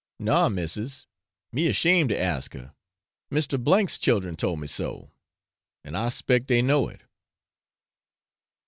'No, missis, me ashamed to ask her; Mr. C 's children told me so, and I 'spect they know it.'